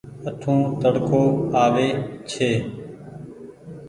اٺون تڙڪو آوي ۔